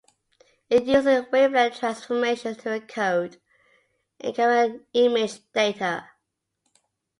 It uses wavelet transformations to encode incoming image data.